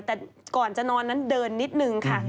แต่ก่อนจะนอนนั้นเดินนิดนึงค่ะ